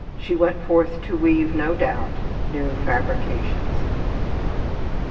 She went forth to weave, no doubt, new fabrications.